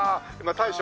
大将？